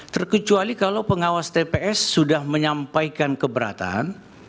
terkecuali kalau pengawas tps sudah menyampaikan keberatan